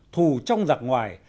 thù trong giặc ngoài